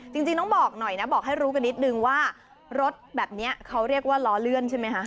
จริงต้องบอกหน่อยนะบอกให้รู้กันนิดนึงว่ารถแบบนี้เขาเรียกว่าล้อเลื่อนใช่ไหมคะ